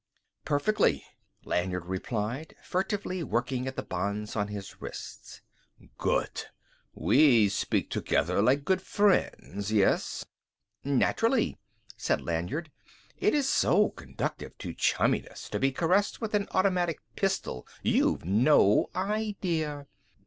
"Perfectly," Lanyard replied, furtively working at the bonds on his wrists. "Good. We speak together like good friends, yes?" "Naturally," said Lanyard. "It is so conducive to chumminess to be caressed with an automatic pistol you've no idea!"